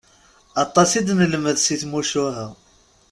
Aṭas i d-nelmed si tmucuha.